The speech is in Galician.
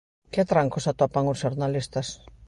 Que atrancos atopan os xornalistas?